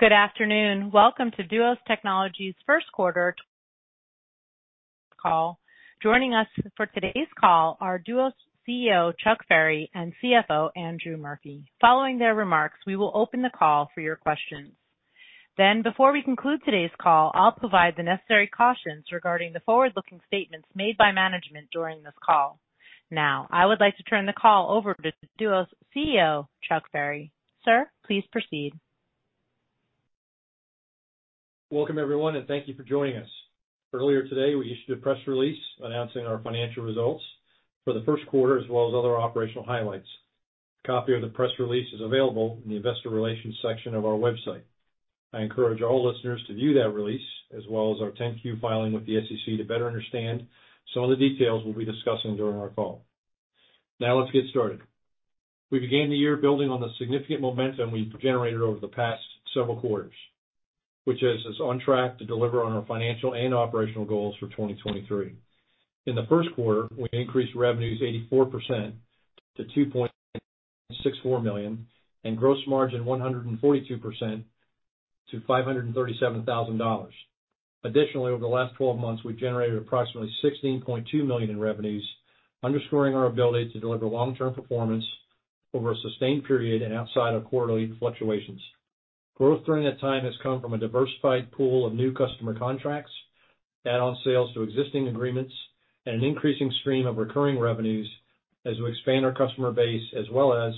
Good afternoon. Welcome to Duos Technologies first quarter call. Joining us for today's call are Duos' CEO, Chuck Ferry, and CFO, Andrew Murphy. Following their remarks, we will open the call for your questions. Before we conclude today's call, I'll provide the necessary cautions regarding the forward-looking statements made by management during this call. Now I would like to turn the call over to Duos' CEO, Chuck Ferry. Sir, please proceed. Welcome everyone, thank you for joining us. Earlier today, we issued a press release announcing our financial results for the first quarter as well as other operational highlights. A copy of the press release is available in the investor relations section of our website. I encourage all listeners to view that release as well as our 10-Q filing with the SEC to better understand some of the details we'll be discussing during our call. Let's get started. We began the year building on the significant momentum we've generated over the past several quarters, which has us on track to deliver on our financial and operational goals for 2023. In the first quarter, we increased revenues 84% to $2.64 million and gross margin 142% to $537,000. Additionally, over the last 12 months, we've generated approximately $16.2 million in revenues, underscoring our ability to deliver long-term performance over a sustained period and outside of quarterly fluctuations. Growth during that time has come from a diversified pool of new customer contracts, add-on sales to existing agreements, and an increasing stream of recurring revenues as we expand our customer base as well as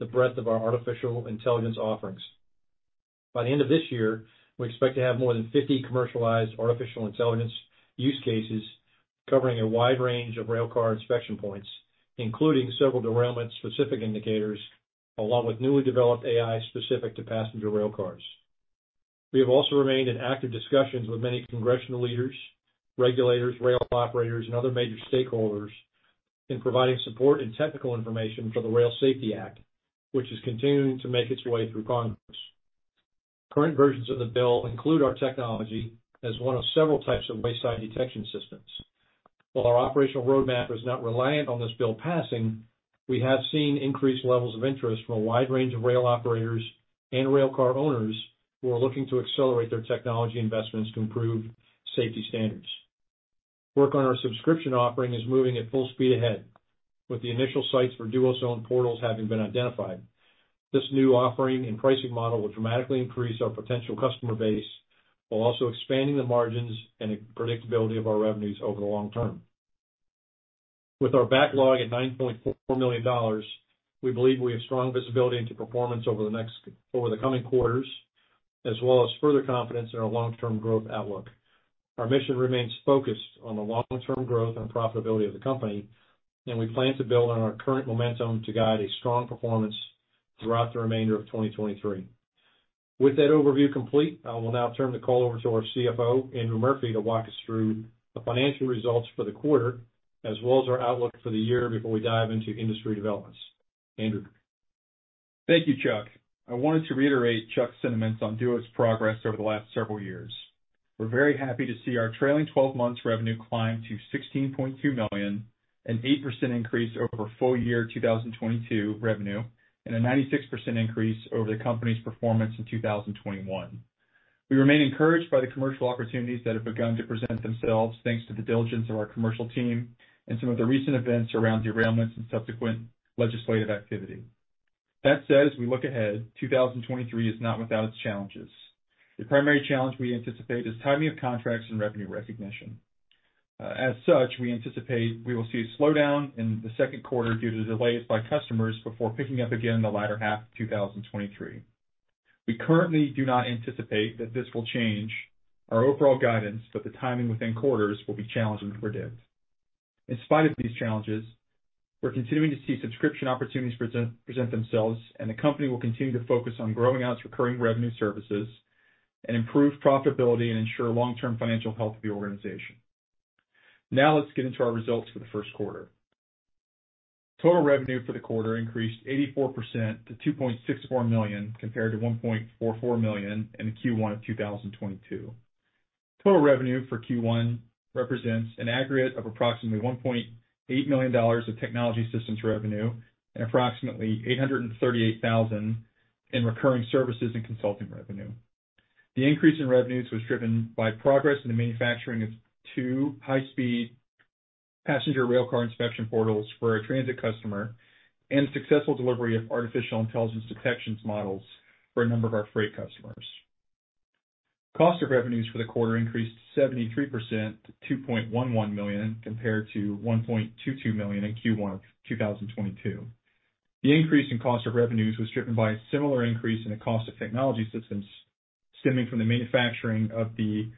the breadth of our artificial intelligence offerings. By the end of this year, we expect to have more than 50 commercialized artificial intelligence use cases covering a wide range of railcar inspection points, including several derailment-specific indicators along with newly developed AI specific to passenger rail cars. We have also remained in active discussions with many congressional leaders, regulators, rail operators, and other major stakeholders in providing support and technical information for the Rail Safety Act, which is continuing to make its way through Congress. Current versions of the bill include our technology as one of several types of wayside detection systems. While our operational roadmap is not reliant on this bill passing, we have seen increased levels of interest from a wide range of rail operators and rail car owners who are looking to accelerate their technology investments to improve safety standards. Work on our subscription offering is moving at full speed ahead with the initial sites for Duos' own portals having been identified. This new offering and pricing model will dramatically increase our potential customer base while also expanding the margins and predictability of our revenues over the long term. With our backlog at $9.4 million, we believe we have strong visibility into performance over the coming quarters as well as further confidence in our long-term growth outlook. Our mission remains focused on the long-term growth and profitability of the company, and we plan to build on our current momentum to guide a strong performance throughout the remainder of 2023. With that overview complete, I will now turn the call over to our CFO, Andrew Murphy, to walk us through the financial results for the quarter as well as our outlook for the year before we dive into industry developments. Andrew? Thank you, Chuck. I wanted to reiterate Chuck's sentiments on Duos progress over the last several years. We're very happy to see our trailing 12 months revenue climb to $16.2 million, an 8% increase over full-year 2022 revenue, and a 96% increase over the company's performance in 2021. We remain encouraged by the commercial opportunities that have begun to present themselves thanks to the diligence of our commercial team and some of the recent events around derailments and subsequent legislative activity. That said, as we look ahead, 2023 is not without its challenges. The primary challenge we anticipate is timing of contracts and revenue recognition. As such, we anticipate we will see a slowdown in the second quarter due to delays by customers before picking up again in the latter half of 2023. We currently do not anticipate that this will change our overall guidance, but the timing within quarters will be challenging to predict. In spite of these challenges, we're continuing to see subscription opportunities present themselves, and the company will continue to focus on growing out its recurring revenue services and improve profitability and ensure long-term financial health of the organization. Let's get into our results for the first quarter. Total revenue for the quarter increased 84% to $2.64 million compared to $1.44 million in Q1 of 2022. Total revenue for Q1 represents an aggregate of approximately $1.8 million of technology systems revenue and approximately $838,000 in recurring services and consulting revenue. The increase in revenues was driven by progress in the manufacturing of two high-speed passenger railcar inspection portals for a transit customer and successful delivery of artificial intelligence detections models for a number of our freight customers. Cost of revenues for the quarter increased 73% to $2.11 million compared to $1.22 million in Q1 2022. The increase in cost of revenues was driven by a similar increase in the cost of technology systems stemming from the manufacturing of the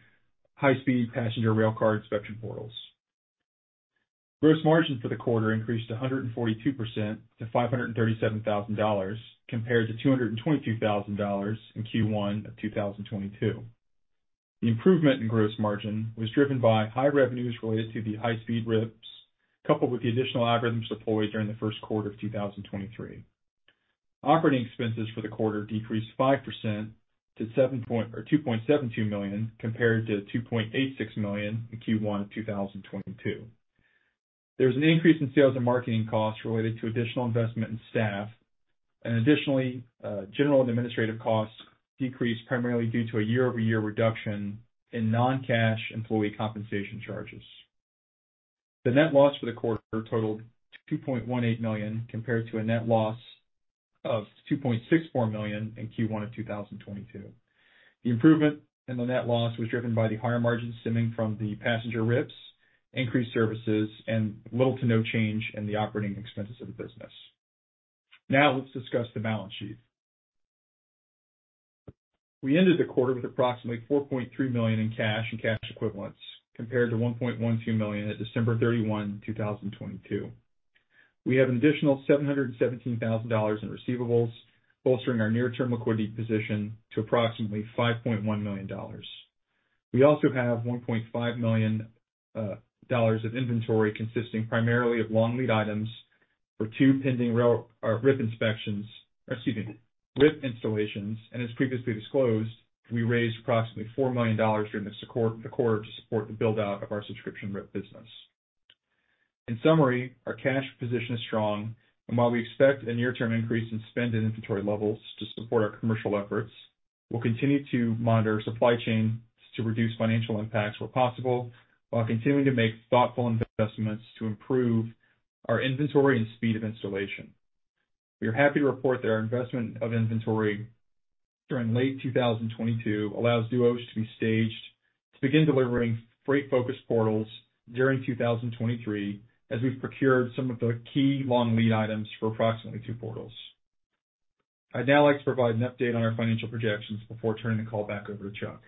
high-speed passenger railcar inspection portals. Gross margin for the quarter increased 142% to $537,000 compared to $222,000 in Q1 of 2022. The improvement in gross margin was driven by high revenues related to the high-speed RIPs, coupled with the additional algorithms deployed during the first quarter of 2023. Operating expenses for the quarter decreased 5% to $2.72 million compared to $2.86 million in Q1 of 2022. There's an increase in sales and marketing costs related to additional investment in staff. Additionally, general and administrative costs decreased primarily due to a year-over-year reduction in non-cash employee compensation charges. The net loss for the quarter totaled $2.18 million, compared to a net loss of $2.64 million in Q1 of 2022. The improvement in the net loss was driven by the higher margins stemming from the passenger RIPs, increased services, and little to no change in the operating expenses of the business. Let's discuss the balance sheet. We ended the quarter with approximately $4.3 million in cash and cash equivalents, compared to $1.12 million at December 31, 2022. We have an additional $717,000 in receivables, bolstering our near-term liquidity position to approximately $5.1 million. We also have $1.5 million of inventory consisting primarily of long lead items for two pending rail or RIP installations and as previously disclosed, we raised approximately $4 million during the quarter to support the build-out of our subscription RIP business. In summary, our cash position is strong, while we expect a near-term increase in spend and inventory levels to support our commercial efforts, we'll continue to monitor supply chain to reduce financial impacts where possible, while continuing to make thoughtful investments to improve our inventory and speed of installation. We are happy to report that our investment of inventory during late 2022 allows Duos to be staged to begin delivering freight-focused portals during 2023, as we've procured some of the key long lead items for approximately two portals. I'd now like to provide an update on our financial projections before turning the call back over to Chuck.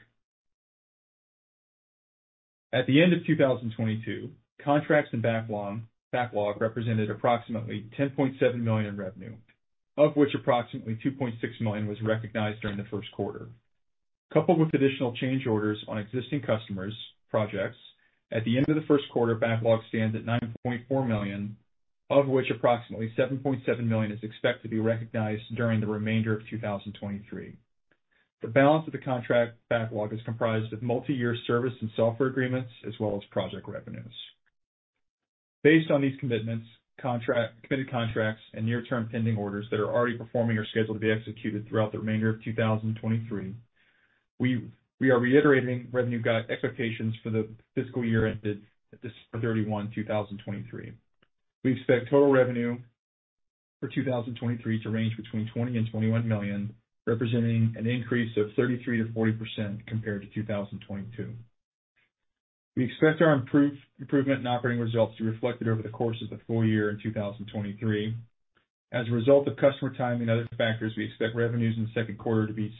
At the end of 2022, contracts and backlog represented approximately $10.7 million in revenue, of which approximately $2.6 million was recognized during the first quarter. Coupled with additional change orders on existing customers' projects, at the end of the first quarter, backlog stands at $9.4 million, of which approximately $7.7 million is expected to be recognized during the remainder of 2023. The balance of the contract backlog is comprised of multi-year service and software agreements, as well as project revenues. Based on these commitments, committed contracts and near-term pending orders that are already performing or scheduled to be executed throughout the remainder of 2023, we are reiterating revenue guide expectations for the fiscal year ended at December 31, 2023. We expect total revenue for 2023 to range between $20 million-$21 million, representing an increase of 33%-40% compared to 2022. We expect our improvement in operating results to be reflected over the course of the full year in 2023. As a result of customer timing and other factors, we expect revenues in the second quarter to be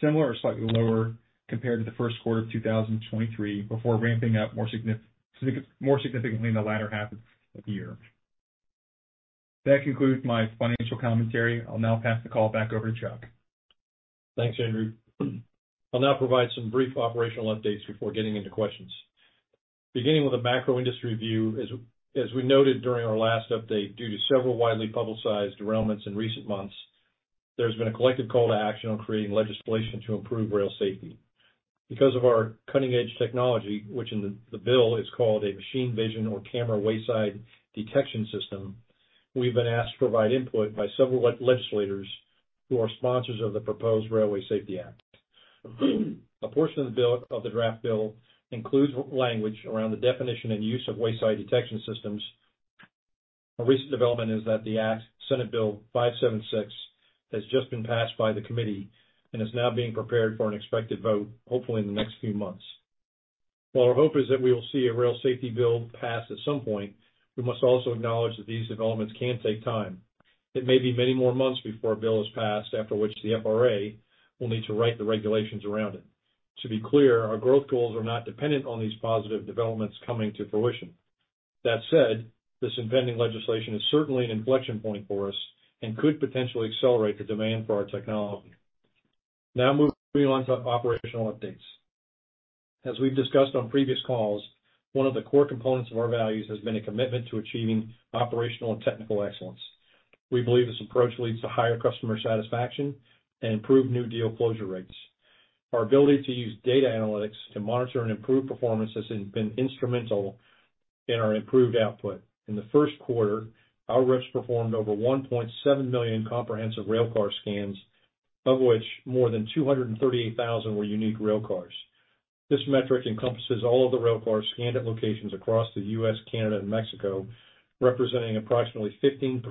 similar or slightly lower compared to the first quarter of 2023, before ramping up more significantly in the latter half of the year. That concludes my financial commentary. I'll now pass the call back over to Chuck. Thanks, Andrew. I'll now provide some brief operational updates before getting into questions. Beginning with a macro industry view, as we noted during our last update, due to several widely publicized derailments in recent months, there's been a collective call to action on creating legislation to improve rail safety. Because of our cutting-edge technology, which in the bill is called a machine vision or camera wayside detection system, we've been asked to provide input by several legislators who are sponsors of the proposed Railway Safety Act. A portion of the draft bill includes language around the definition and use of wayside detection systems. A recent development is that the Act, Senate Bill 576, has just been passed by the Committee and is now being prepared for an expected vote, hopefully in the next few months. While our hope is that we will see a rail safety bill pass at some point, we must also acknowledge that these developments can take time. It may be many more months before a bill is passed, after which the FRA will need to write the regulations around it. To be clear, our growth goals are not dependent on these positive developments coming to fruition. That said, this impending legislation is certainly an inflection point for us and could potentially accelerate the demand for our technology. Moving on to operational updates. As we've discussed on previous calls, one of the core components of our values has been a commitment to achieving operational and technical excellence. We believe this approach leads to higher customer satisfaction and improved new deal closure rates. Our ability to use data analytics to monitor and improve performance has been instrumental in our improved output. In the first quarter, our RIPs performed over $1.7 million comprehensive rail car scans, of which more than 238,000 were unique rail cars. This metric encompasses all of the rail cars scanned at locations across the U.S., Canada, and Mexico, representing approximately 15%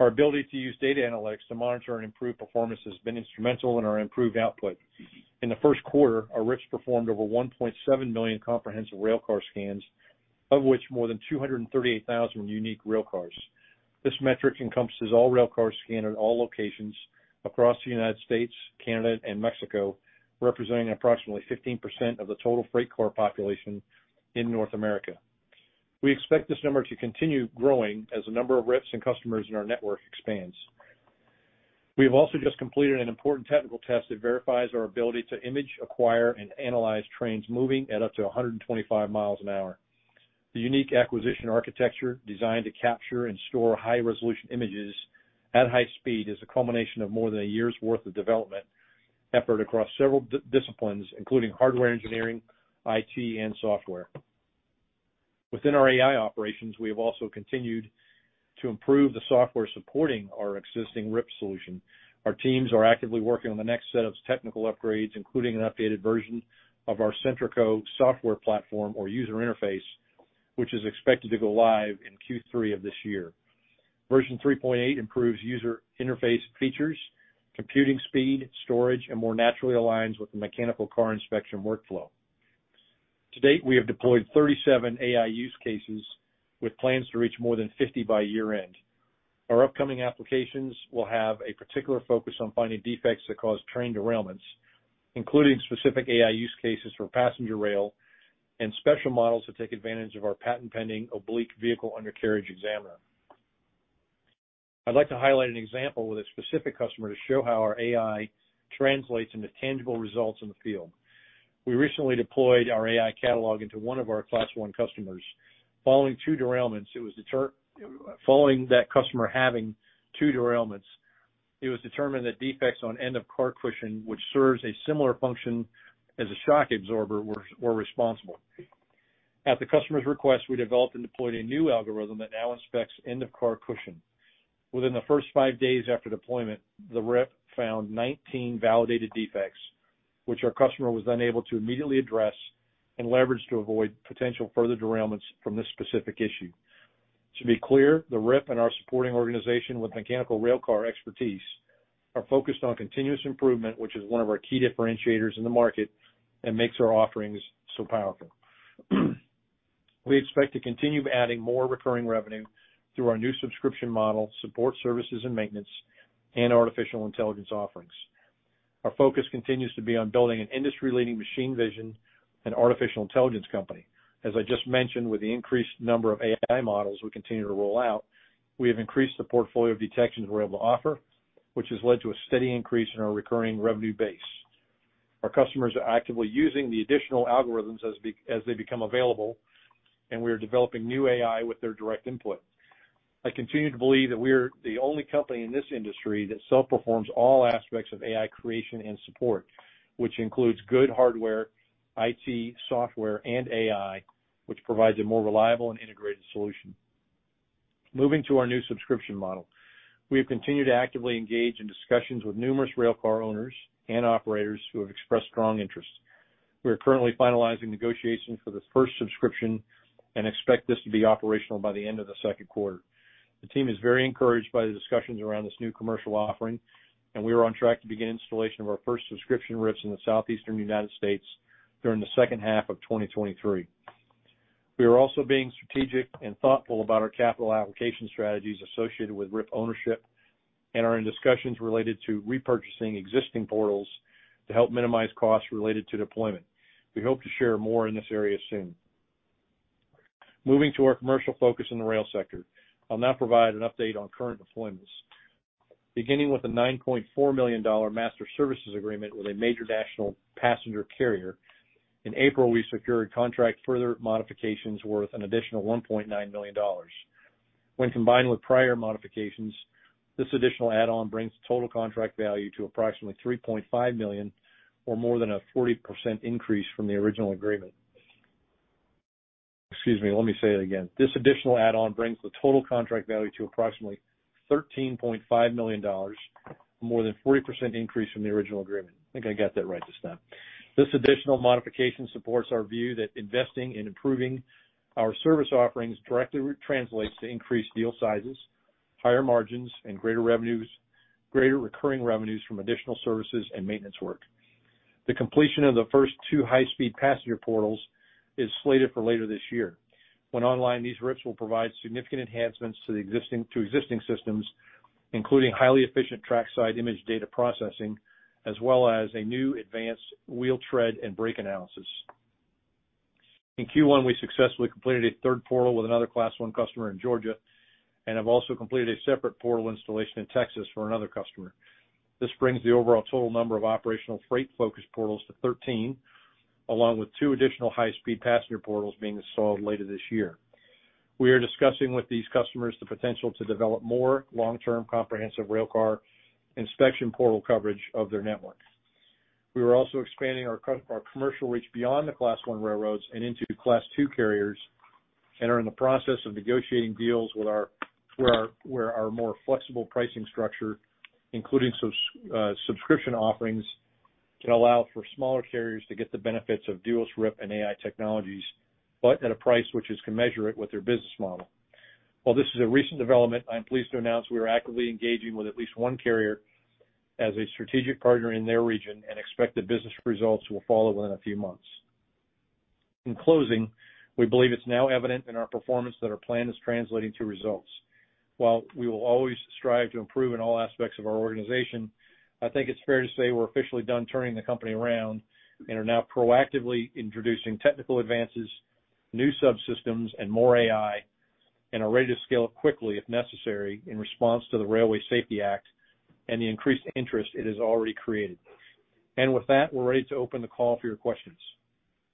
of the total freight car population in North America. We expect this number to continue growing as the number of RIPs and customers in our network expands. We have also just completed an important technical test that verifies our ability to image, acquire, and analyze trains moving at up to 125 miles an hour. The unique acquisition architecture designed to capture and store high-resolution images at high speed is a culmination of more than a year's worth of development effort across several disciplines, including hardware engineering, IT, and software. Within our AI operations, we have also continued to improve the software supporting our existing RIP solution. Our teams are actively working on the next set of technical upgrades, including an updated version of the Centraco software platform or user interface, which is expected to go live in Q3 of this year. Version 3.8 improves user interface features, computing speed, storage, and more naturally aligns with the mechanical car inspection workflow. To date, we have deployed 37 AI use cases with plans to reach more than 50 by year-end. Our upcoming applications will have a particular focus on finding defects that cause train derailments, including specific AI use cases for passenger rail and special models that take advantage of our patent-pending Oblique Vehicle Undercarriage Examiner. I'd like to highlight an example with a specific customer to show how our AI translates into tangible results in the field. We recently deployed our AI catalog into one of our Class I customers. Following that customer having two derailments, it was determined that defects on end-of-car cushioning, which serves a similar function as a shock absorber, were responsible. At the customer's request, we developed and deployed a new algorithm that now inspects end-of-car cushioning. Within the first five days after deployment, the RIP found 19 validated defects, which our customer was then able to immediately address and leverage to avoid potential further derailments from this specific issue. To be clear, the RIP and our supporting organization with mechanical railcar expertise are focused on continuous improvement which is one of our key differentiators in the market and makes our offerings so powerful. We expect to continue adding more recurring revenue through our new subscription model, support services and maintenance, and artificial intelligence offerings. Our focus continues to be on building an industry-leading machine vision and artificial intelligence company. As I just mentioned, with the increased number of AI models we continue to roll out, we have increased the portfolio of detections we're able to offer, which has led to a steady increase in our recurring revenue base. Our customers are actively using the additional algorithms as they become available, and we are developing new AI with their direct input. I continue to believe that we are the only company in this industry that self-performs all aspects of AI creation and support, which includes good hardware, IT, software, and AI, which provides a more reliable and integrated solution. Moving to our new subscription model. We have continued to actively engage in discussions with numerous rail car owners and operators who have expressed strong interest. We are currently finalizing negotiations for the first subscription and expect this to be operational by the end of the second quarter. The team is very encouraged by the discussions around this new commercial offering, and we are on track to begin installation of our first subscription RIPs in the Southeastern United States during the second half of 2023. We are also being strategic and thoughtful about our capital allocation strategies associated with RIP ownership and are in discussions related to repurchasing existing portals to help minimize costs related to deployment. We hope to share more in this area soon. Moving to our commercial focus in the rail sector. I'll now provide an update on current deployments. Beginning with a $9.4 million master services agreement with a major national passenger carrier. In April, we secured contract further modifications worth an additional $1.9 million. When combined with prior modifications, this additional add-on brings the total contract value to approximately $3.5 million or more than a 40% increase from the original agreement. Excuse me, let me say that again. This additional add-on brings the total contract value to approximately $13.5 million, more than 40% increase from the original agreement. I think I got that right this time. This additional modification supports our view that investing in improving our service offerings directly translates to increased deal sizes, higher margins, and greater revenues, greater recurring revenues from additional services and maintenance work. The completion of the first two high-speed passenger portals is slated for later this year. When online, these RIPs will provide significant enhancements to existing systems, including highly efficient trackside image data processing, as well as a new advanced wheel tread and brake analysis. In Q1, we successfully completed a third portal with another Class I customer in Georgia and have also completed a separate portal installation in Texas for another customer. This brings the overall total number of operational freight-focused portals to 13, along with two additional high-speed passenger portals being installed later this year. We are discussing with these customers the potential to develop more long-term comprehensive railcar inspection portal coverage of their network. We are also expanding our commercial reach beyond the Class I railroads and into Class II carriers, and are in the process of negotiating deals with our, where our more flexible pricing structure, including subscription offerings, can allow for smaller carriers to get the benefits of Duos' RIP and AI technologies, but at a price which is commensurate with their business model. While this is a recent development, I am pleased to announce we are actively engaging with at least one carrier as a strategic partner in their region and expect the business results will follow within a few months. In closing, we believe it's now evident in our performance that our plan is translating to results. While we will always strive to improve in all aspects of our organization, I think it's fair to say we're officially done turning the company around and are now proactively introducing technical advances, new subsystems, and more AI, and are ready to scale up quickly if necessary in response to the Railway Safety Act and the increased interest it has already created. With that, we're ready to open the call for your questions.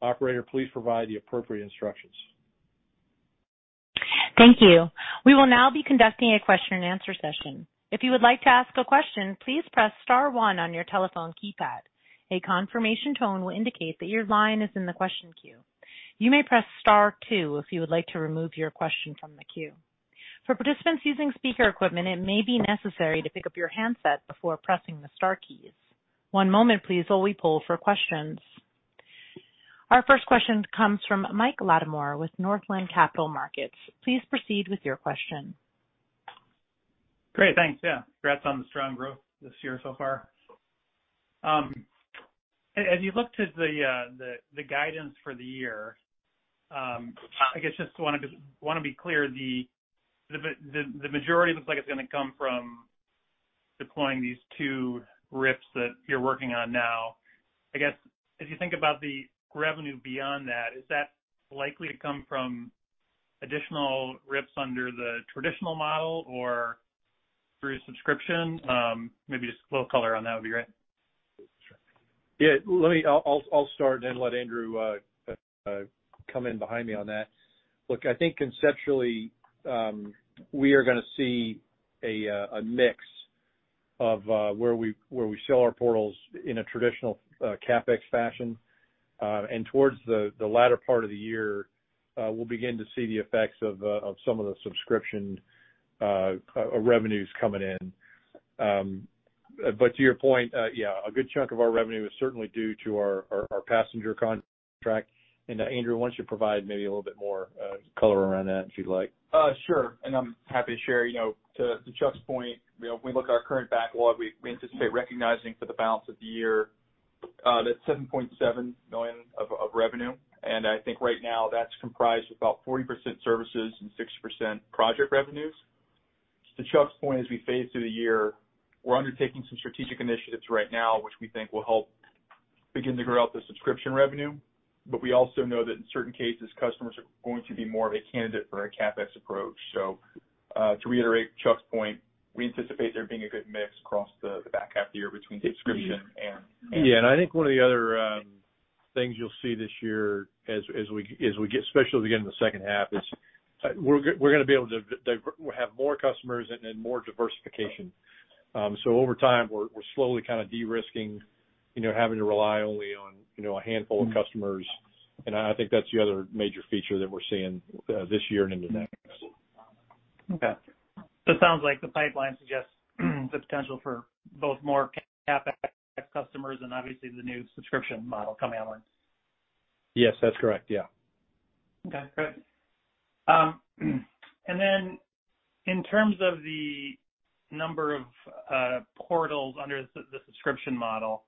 Operator, please provide the appropriate instructions. Thank you. We will now be conducting a question-and-answer session. If you would like to ask a question, please press star one on your telephone keypad. A confirmation tone will indicate that your line is in the question queue. You may press star two if you would like to remove your question from the queue. For participants using speaker equipment, it may be necessary to pick up your handset before pressing the star keys. One moment please while we poll for questions. Our first question comes from Mike Latimore with Northland Capital Markets. Please proceed with your question. Great. Thanks. Yeah. Congrats on the strong growth this year so far. As you look to the guidance for the year, I guess just wanted to, wanna be clear, the majority looks like it's gonna come from deploying these two RIPs that you're working on now. I guess, as you think about the revenue beyond that, is that likely to come from additional RIPs under the traditional model or through subscription? Maybe just a little color on that would be great. Sure. Yeah. I'll start and then let Andrew come in behind me on that. Look, I think conceptually, we are gonna see a mix of where we sell our portals in a traditional CapEx fashion, and towards the latter part of the year, we'll begin to see the effects of some of the subscription revenues coming in. But to your point, yeah, a good chunk of our revenue is certainly due to our passenger contract. Andrew, why don't you provide maybe a little bit more color around that, if you'd like? Sure, and I'm happy to share. To Chuck's point, you know, when we look at our current backlog, we anticipate recognizing for the balance of the year that $7.7 million revenue. I think right now, that's comprised of about 40% services and 60% project revenues. To Chuck's point, as we phase through the year, we're undertaking some strategic initiatives right now, which we think will help begin to grow out the subscription revenue. We also know that in certain cases, customers are going to be more of a candidate for a CapEx approach. To reiterate Chuck's point, we anticipate there being a good mix across the back half of the year between subscription and... I think one of the other things you'll see this year as we get especially again in the second half, is We'll have more customers and then more diversification. Over time, we're slowly kind of de-risking, you know, having to rely only on, you know, a handful of customers. I think that's the other major feature that we're seeing this year and into next. It sounds like the pipeline suggests the potential for both more CapEx customers and obviously the new subscription model coming online. Yes, that's correct. Yeah. Okay, great. In terms of the number of portals under the subscription model,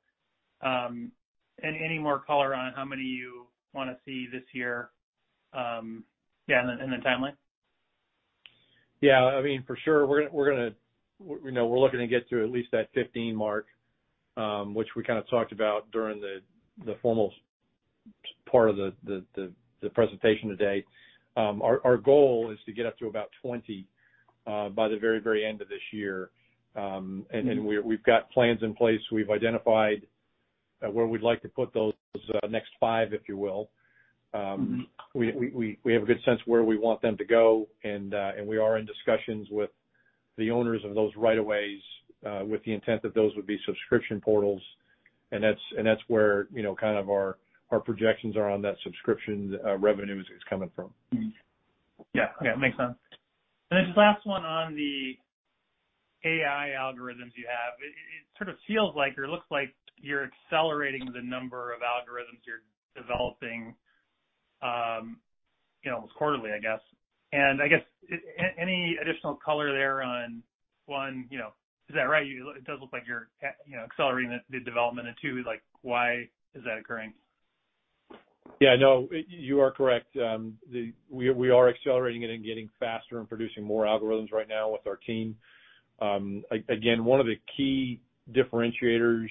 any more color on how many you wanna see this year, and the timeline? Yeah. I mean, for sure We know we're looking to get to at least that 15 mark, which we kind of talked about during the formal part of the presentation today. Our goal is to get up to about 20 by the very, very end of this year. Then we've got plans in place. We've identified where we'd like to put those next five, if you will. We have a good sense of where we want them to go, and we are in discussions with the owners of those right of ways, with the intent that those would be subscription portals. That's, and that's where, you know, kind of our projections are on that subscription, revenue is coming from. Yeah. Yeah. Makes sense. Last one on the AI algorithms you have. It sort of feels like or looks like you're accelerating the number of algorithms you're developing, you know, almost quarterly, I guess. I guess, any additional color there on, one, you know, is that right? It does look like you're accelerating the development. Two, like, why is that occurring? Yeah, no, you are correct. We are accelerating it and getting faster and producing more algorithms right now with our team. Again, one of the key differentiators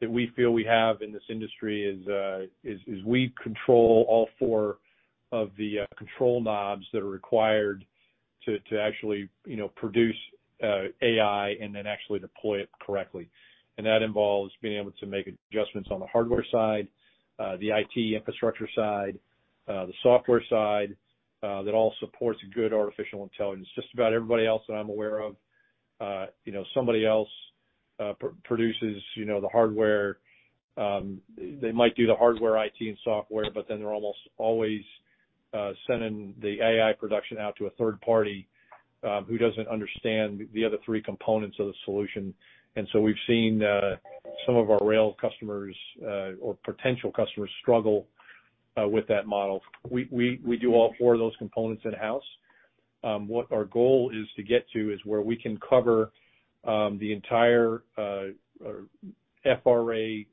that we feel we have in this industry is, we control all four of the control knobs that are required to actually, you know, produce AI and then actually deploy it correctly. That involves being able to make adjustments on the hardware side, the IT infrastructure side, the software side, that all supports good artificial intelligence. Just about everybody else that I'm aware of, you know, somebody else produces, you know, the hardware. They might do the hardware, IT, and software, but then they're almost always sending the AI production out to a third party, who doesn't understand the other three components of the solution. We've seen, some of our rail customers, or potential customers struggle, with that model. We do all four of those components in-house. What our goal is to get to is where we can cover the entire FRA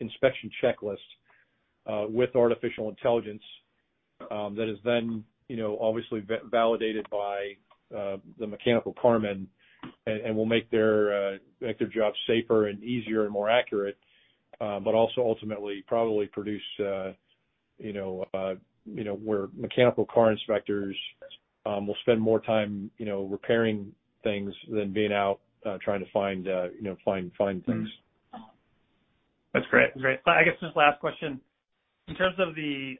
inspection checklist with artificial intelligence, that is then, you know, obviously validated by the mechanical car men and will make their jobs safer and easier and more accurate, but also ultimately probably produce, you know, you know, where mechanical car inspectors will spend more time, you know, repairing things than being out trying to find, you know, find things. That's great. Great. I guess just last question. In terms of the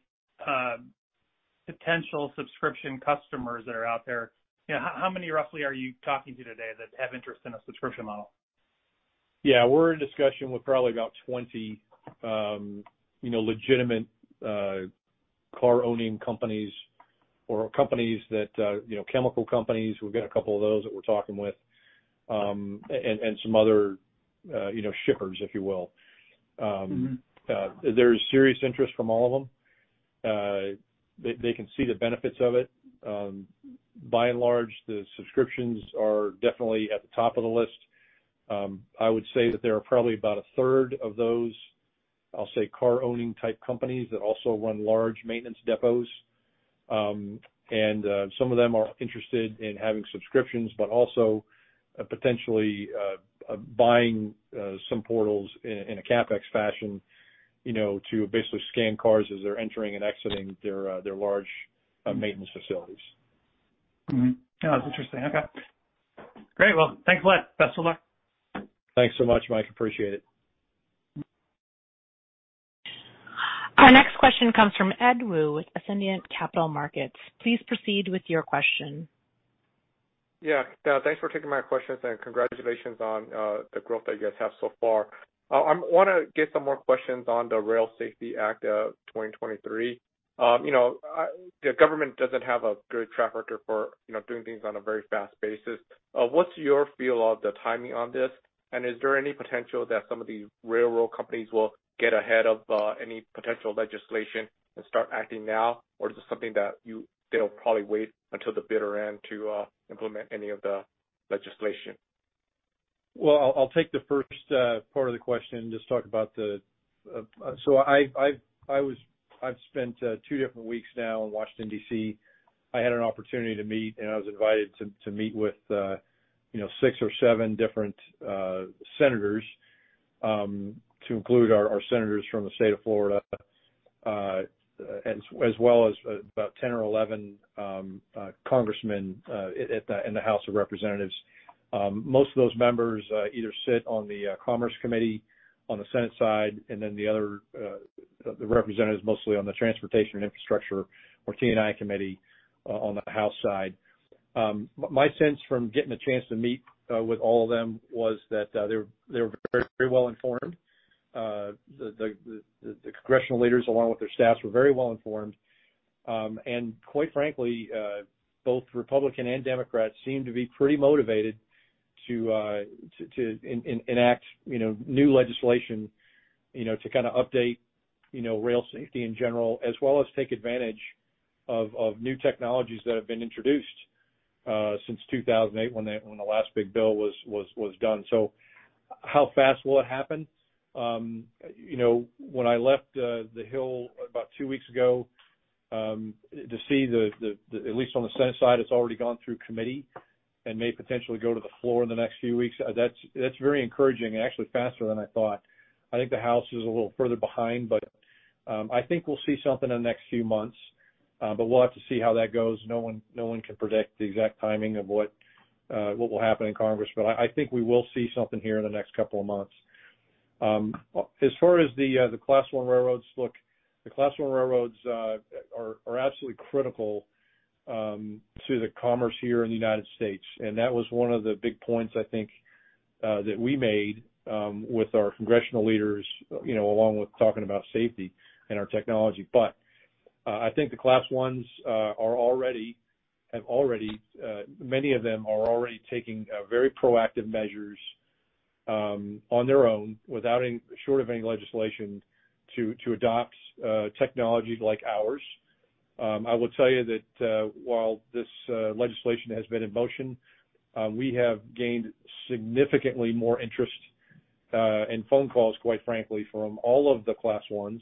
potential subscription customers that are out there, you know, how many roughly are you talking to today that have interest in a subscription model? Yeah. We're in discussion with probably about 20, you know, legitimate car-owning companies or companies that, you know, chemical companies. We've got a couple of those that we're talking with, and some other, you know, shippers, if you will. There's serious interest from all of them. They can see the benefits of it. By and large, the subscriptions are definitely at the top of the list. I would say that there are probably about a third of those, I'll say, car-owning type companies that also run large maintenance depots. Some of them are interested in having subscriptions, but also potentially buying some portals in a CapEx fashion, you know, to basically scan cars as they're entering and exiting their large maintenance facilities. That's interesting. Okay. Great. Thanks a lot. Best of luck. Thanks so much, Mike. Appreciate it. Our next question comes from Ed Woo with Ascendiant Capital Markets. Please proceed with your question. Yeah. Thanks for taking my questions, and congratulations on the growth that you guys have so far. I wanna get some more questions on the Rail Safety Act of 2023. You know, The government doesn't have a good track record for, you know, doing things on a very fast basis. What's your feel of the timing on this? Is there any potential that some of these railroad companies will get ahead of any potential legislation and start acting now? Is this something that they'll probably wait until the bitter end to implement any of the legislation? I'll take the first part of the question and just talk about the... I've spent two different weeks now in Washington, D.C. I had an opportunity to meet and I was invited to meet with, you know, six or seven different senators, to include our senators from the state of Florida, as well as about 10 or 11 congressmen in the House of Representatives. Most of those members either sit on the Commerce Committee on the Senate side and then the other representatives mostly on the Transportation and Infrastructure or T&I committee on the House side. My sense from getting a chance to meet with all of them was that they were very well-informed. The Congressional leaders, along with their staffs, were very well informed. And quite frankly, both Republican and Democrat seem to be pretty motivated to enact, you know, new legislation, you know, to kind of update, you know, rail safety in general, as well as take advantage of new technologies that have been introduced since 2008 when the last big bill was done. How fast will it happen? You know, when I left the Hill about two weeks ago, to see at least on the Senate side, it's already gone through committee and may potentially go to the floor in the next few weeks. That's very encouraging and actually faster than I thought. I think the House is a little further behind, I think we'll see something in the next few months. We'll have to see how that goes. No one can predict the exact timing of what will happen in Congress. I think we will see something here in the next couple of months. As far as the Class I railroads look, the Class I railroads are absolutely critical to the commerce here in the United States. That was one of the big points I think that we made with our congressional leaders, you know, along with talking about safety and our technology. I think the Class I have already many of them are already taking very proactive measures on their own without any short of any legislation to adopt technologies like ours. I will tell you that while this legislation has been in motion, we have gained significantly more interest and phone calls, quite frankly, from all of the Class I,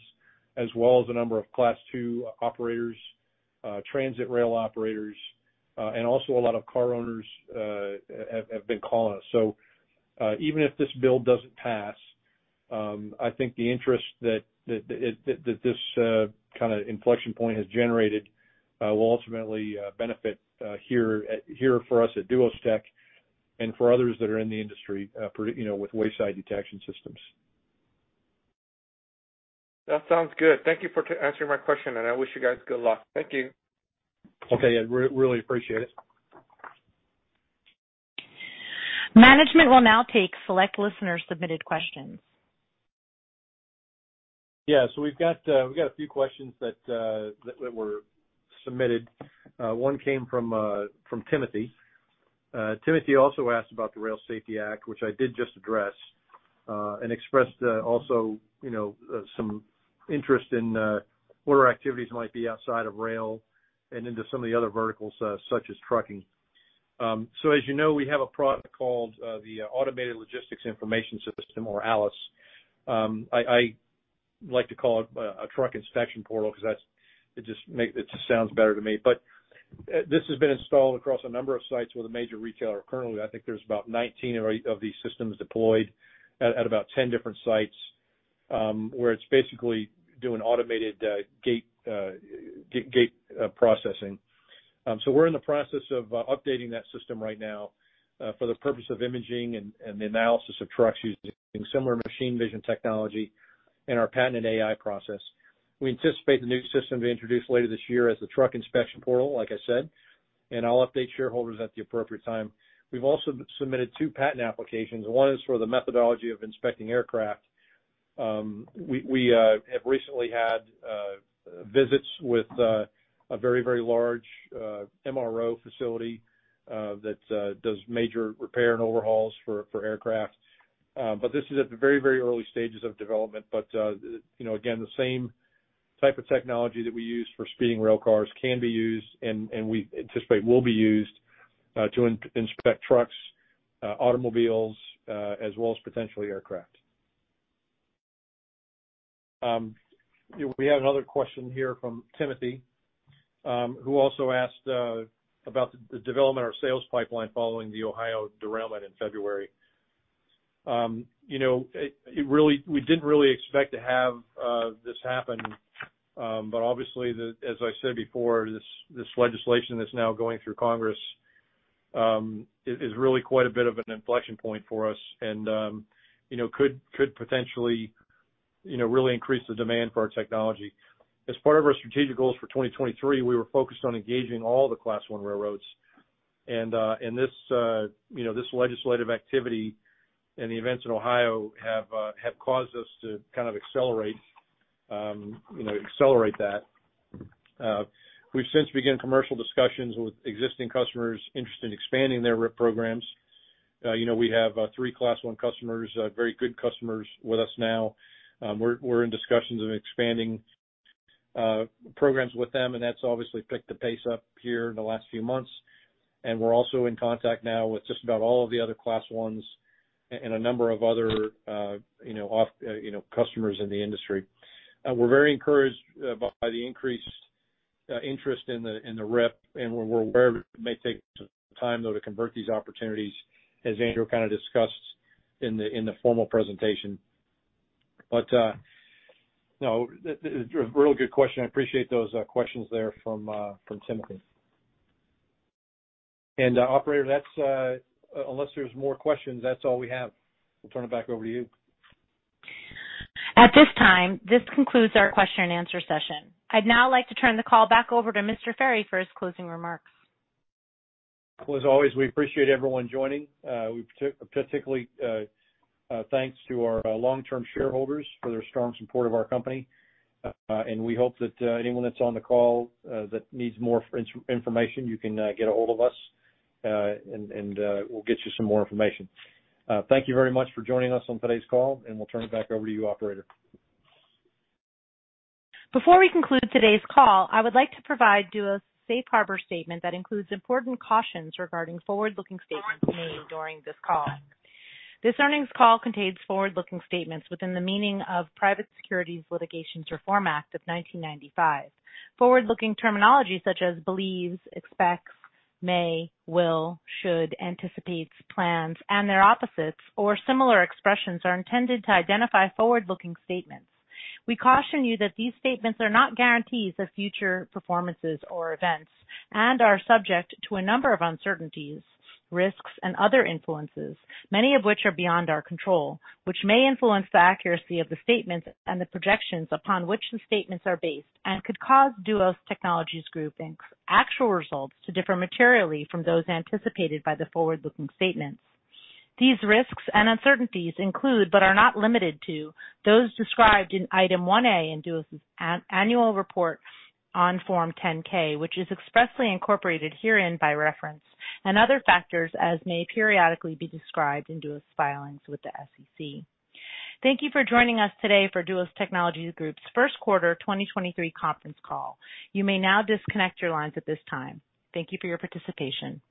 as well as a number of Class II operators, transit rail operators, and also a lot of car owners have been calling us. Even if this bill doesn't pass, I think the interest that this kind of inflection point has generated will ultimately benefit here for us at duostech and for others that are in the industry, pretty, you know, with wayside detection systems. That sounds good. Thank you for answering my question. I wish you guys good luck. Thank you. Okay, Ed. Really appreciate it. Management will now take select listener-submitted questions. Yeah. We've got a few questions that were submitted. One came from Timothy. Timothy also asked about the Rail Safety Act, which I did just address, and expressed, you know, some interest in what our activities might be outside of rail and into some of the other verticals, such as trucking. As you know, we have a product called the Automated Logistics Information System, or ALIS. I like to call it a Truck Inspection Portal because it just sounds better to me. This has been installed across a number of sites with a major retailer. Currently, I think there's about 19 of these systems deployed at about 10 different sites, where it's basically doing automated gate processing. We're in the process of updating that system right now for the purpose of imaging and the analysis of trucks using similar machine vision technology and our patented AI process. We anticipate the new system to be introduced later this year as the Truck Inspection Portal, like I said, and I'll update shareholders at the appropriate time. We've also submitted two patent applications. One is for the methodology of inspecting aircraft. We have recently had visits with a very, very large MRO facility that does major repair and overhauls for aircraft. This is at the very, very early stages of development. You know, again, the same type of technology that we use for speeding rail cars can be used and we anticipate will be used to inspect trucks, automobiles, as well as potentially aircraft. We have another question here from Timothy, who also asked about the development of our sales pipeline following the Ohio derailment in February. You know, we didn't really expect to have this happen. Obviously, as I said before, this legislation that's now going through Congress, is really quite a bit of an inflection point for us and, you know, potentially, really increase the demand for our technology. As part of our strategic goals for 2023, we were focused on engaging all the Class I railroads. This, you know, this legislative activity and the events in Ohio have caused us to kind of accelerate, you know, accelerate that. We've since begun commercial discussions with existing customers interested in expanding their RIP programs. You know, we have three Class I customers, very good customers with us now. We're, we're in discussions of expanding programs with them, and that's obviously picked the pace up here in the last few months. We're also in contact now with just about all of the other Class Is and a number of other, you know, customers in the industry. We're very encouraged by the increased interest in the RIP, and we're aware it may take some time though to convert these opportunities, as Andrew kind of discussed in the formal presentation. No, this is a real good question. I appreciate those questions there from Timothy. Operator, that's unless there's more questions, that's all we have. We'll turn it back over to you. At this time, this concludes our question-and-answer session. I'd now like to turn the call back over to Mr. Ferry for his closing remarks. Well, as always, we appreciate everyone joining. We particularly thanks to our long-term shareholders for their strong support of our company. And we hope that anyone that's on the call that needs more information, you can get a hold of us and we'll get you some more information. Thank you very much for joining us on today's call, and we'll turn it back over to you, operator. Before we conclude today's call, I would like to provide Duos' safe harbor statement that includes important cautions regarding forward-looking statements made during this call. This earnings call contains forward-looking statements within the meaning of Private Securities Litigation Reform Act of 1995. Forward-looking terminology such as believes, expects, may, will, should, anticipates, plans, and their opposites or similar expressions are intended to identify forward-looking statements. We caution you that these statements are not guarantees of future performances or events and are subject to a number of uncertainties, risks, and other influences, many of which are beyond our control, which may influence the accuracy of the statements and the projections upon which the statements are based and could cause Duos Technologies Group, Inc.'s actual results to differ materially from those anticipated by the forward-looking statements. These risks and uncertainties include, but are not limited to, those described in Item 1A in Duos' annual report on Form 10-K, which is expressly incorporated herein by reference, and other factors as may periodically be described in Duos' filings with the SEC. Thank you for joining us today for Duos Technologies Group's first quarter 2023 conference call. You may now disconnect your lines at this time. Thank you for your participation.